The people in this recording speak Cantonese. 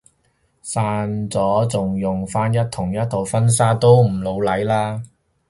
散咗仲用返同一套婚紗都唔老嚟啦